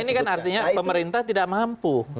ini kan artinya pemerintah tidak mampu